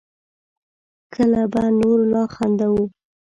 کله به نور لا خندوو